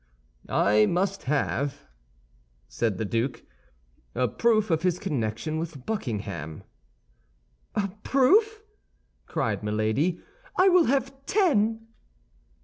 "I must have," said the duke, "a proof of his connection with Buckingham." "A proof?" cried Milady; "I will have ten."